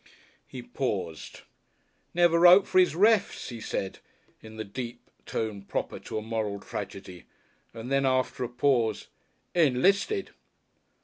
He paused. "Never wrote for his refs," he said, in the deep tone proper to a moral tragedy, and then, after a pause "Enlisted!"